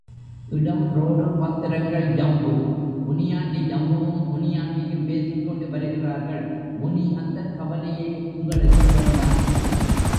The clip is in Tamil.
இடம் ரோடு பாத்திரங்கள் ஜம்பு, முனியாண்டி ஜம்புவும் முனியாண்டியும் பேசிக்கொண்டு வருகிறார்கள் முனி அந்தக் கவலையே உங்களுக்கு வேண்டாம்.